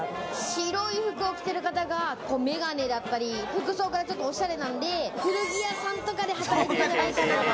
白い服を着てる方が眼鏡だったり、服装がちょっとおしゃれなんで、古着屋さんとかで働いてるんじゃないかな？